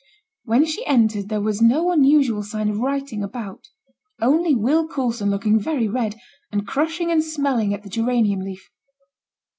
When she entered there was no unusual sign of writing about; only Will Coulson looking very red, and crushing and smelling at the geranium leaf.